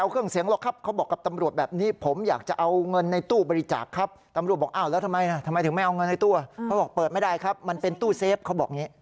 เขาบอกเปิดไม่ได้ครับมันเป็นตู้เซฟเขาบอกงี้